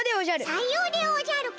さようでおじゃるか。